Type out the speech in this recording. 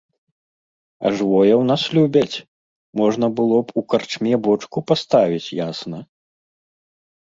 А жывое ў нас любяць, можна было б у карчме бочку паставіць, ясна.